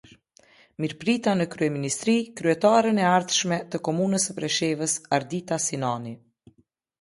Mirëprita në kryeministri Kryetaren e ardhshme të Komunës së Preshevës, Ardita Sinani.